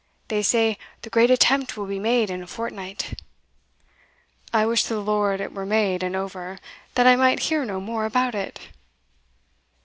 they say the great attempt will be made in a fortnight." "I wish to the Lord it were made and over, that I might hear no more about it."